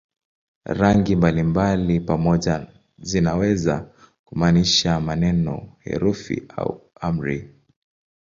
Rangi mbalimbali pamoja zinaweza kumaanisha maneno, herufi au amri.